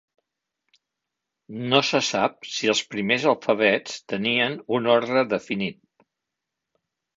No se sap si els primers alfabets tenien un ordre definit.